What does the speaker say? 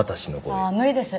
ああ無理です。